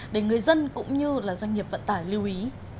để người dân cũng như doanh nghiệp vận tải lưu ý